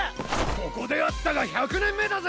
ここで会ったが１００年目だぜ！